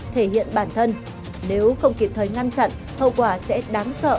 thể hiện bản thân nếu không kịp thời ngăn chặn hậu quả sẽ đáng sợ như thế nào